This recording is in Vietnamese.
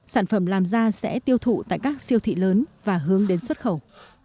sản phẩm làm ra sẽ tiêu thụ tại các siêu thị lớn và hướng đến xuất khẩu